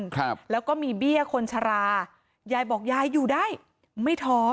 ครับแล้วก็มีเบี้ยคนชรายายบอกยายอยู่ได้ไม่ท้อ